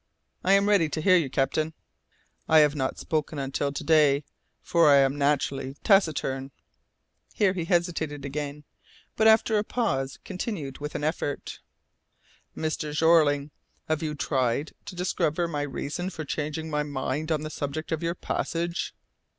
"I am ready to hear you, captain." "I have not spoken until to day, for I am naturally taciturn." Here he hesitated again, but after a pause, continued with an effort, "Mr. Jeorling, have you tried to discover my reason for changing my mind on the subject of your passage?"